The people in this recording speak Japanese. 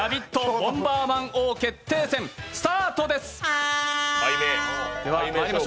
ボンバーマン王決定戦、スタートです。